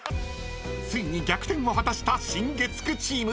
［ついに逆転を果たした新月９チーム］